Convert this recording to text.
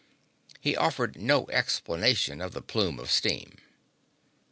He offered no explanation of the plume of steam.